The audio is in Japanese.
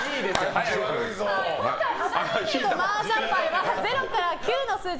今回、肌年齢のマージャン牌は０から９の数字